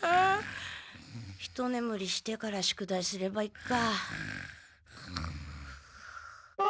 ひとねむりしてから宿題すればいっか。